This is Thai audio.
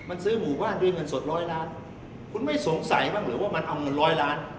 มันซื้อหมู่บ้านด้วยเงินสดร้อยล้านคุณไม่สงสัยบ้างเหรอว่ามันเอาเงินร้อยล้าน